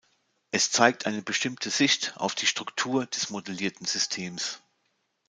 Es zeigt eine bestimmte Sicht auf die Struktur des modellierten Systems.